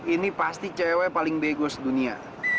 ini pasti cewek paling bego di dunia